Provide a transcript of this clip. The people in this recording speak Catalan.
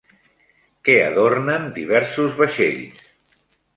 Què adornen diversos vaixells?